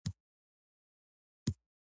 ایا مصنوعي ځیرکتیا د ریښتینولۍ معیار نه بدلوي؟